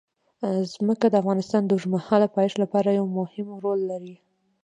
ځمکه د افغانستان د اوږدمهاله پایښت لپاره یو مهم رول لري.